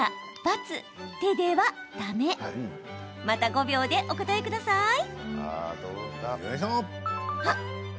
また５秒でお答えください。